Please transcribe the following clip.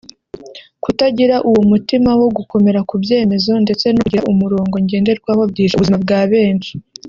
Kutagira uwo mutima wo gukomera ku byemezo ndetse no kugira umurongo ngenderwaho byishe ubuzima bwa benshi